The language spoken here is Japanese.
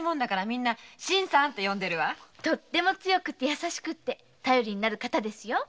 強くって優しくって頼りになる方ですよ。